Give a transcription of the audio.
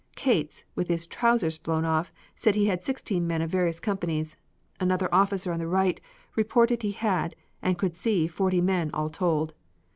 Cates, with his trousers blown off, said he had sixteen men of various companies; another officer on the right reported he had and could see forty men, all told.